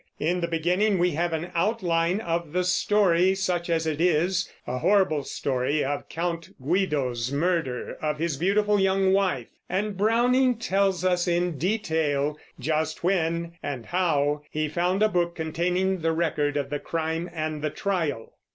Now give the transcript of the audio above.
In the beginning we have an outline of the story, such as it is a horrible story of Count Guido's murder of his beautiful young wife; and Browning tells us in detail just when and how he found a book containing the record of the crime and the trial.